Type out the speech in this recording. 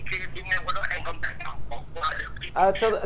thì khi em đi ngang qua đó em không thấy